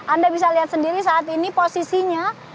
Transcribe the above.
anda bisa lihat sendiri saat ini posisinya